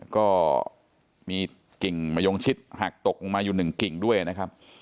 ก็มีกิ่งมะยงชิดหักตกลงมาอยู่๑กิ่งด้วยนะครับ